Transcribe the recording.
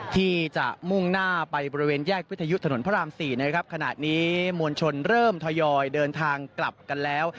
ที่จะมุ่งหน้าไปบริเวณแยกวิทยุถนนพระรามสี่นะครับขณะนี้มวลชนเริ่มทยอยเดินทางกลับกันแล้ว